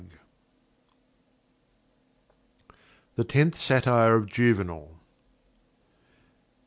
THE TENTH SATIRE OF JUVENAL.